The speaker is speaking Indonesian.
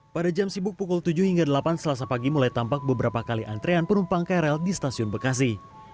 pada jam sibuk pukul tujuh hingga delapan selasa pagi mulai tampak beberapa kali antrean penumpang krl di stasiun bekasi